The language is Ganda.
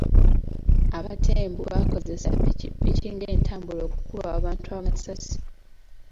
Abatembu bakozesa ppikipiki ng'entambula okukuba abantu amasasi.